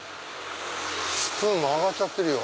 スプーン曲がっちゃってるよ。